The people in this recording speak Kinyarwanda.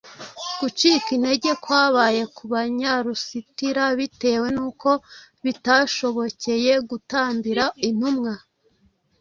Gucika intege kwabaye ku Banyalusitira bitewe n’uko bitabashobokeye gutambira intumwa